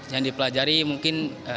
yang dipelajari mungkin